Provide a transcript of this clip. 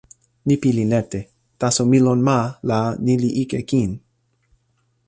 mi pilin lete. taso mi lon ma, la ni li ike kin.